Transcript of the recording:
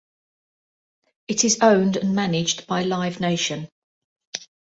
It is owned and managed by Live Nation.